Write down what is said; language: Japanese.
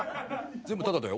全部タダだよ。